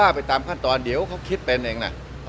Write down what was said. ไปตามขั้นตอนเดี๋ยวเขาคิดเป็นเองนะ